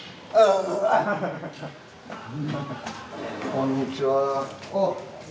こんにちは。